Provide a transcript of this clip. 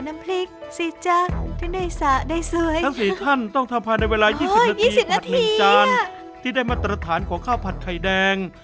มีผัดเหลืองจานที่ได้มาตรฐานของข้าวผัดไข่แดง